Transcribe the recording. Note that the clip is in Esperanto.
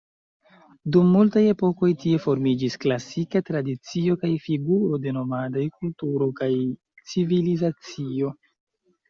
Dum multaj epokoj tie formiĝis klasika tradicio kaj figuro de nomadaj kulturo kaj civilizacio.